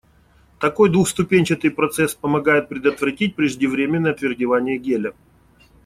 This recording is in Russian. Такой двухступенчатый процесс помогает предотвратить преждевременное отвердевание геля.